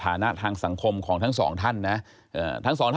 แต่ตอนนั้นเท็จ